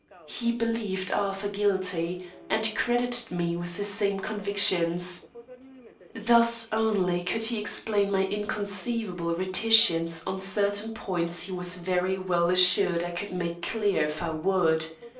He believed Arthur guilty, and credited me with the same convictions. Thus only could he explain my inconceivable reticence on certain points he was very well assured I could make clear if I would.